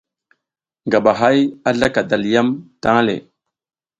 Ngaba hay a zlaka dalyam tang le.